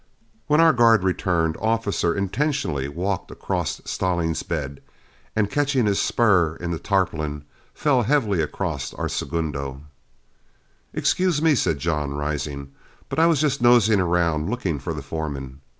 When our guard returned, Officer intentionally walked across Stallings's bed, and catching his spur in the tarpaulin, fell heavily across our segundo. "Excuse me," said John, rising, "but I was just nosing around looking for the foreman.